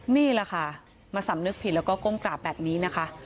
นี่แหละค่ะมาสำนึกผิดแล้วก็ก้มกราบแบบนี้นะคะ